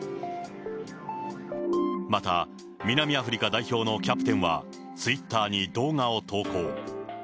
また南アフリカ代表のキャプテンは、ツイッターに動画を投稿。